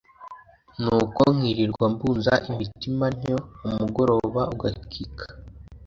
nuko nkirirwa mbunza imitima ntyo umugoroba ugakika